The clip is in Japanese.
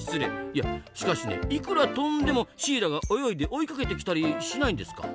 いやしかしねいくら飛んでもシイラが泳いで追いかけてきたりしないんですか？